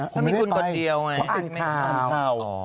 ก็อ่านข่าว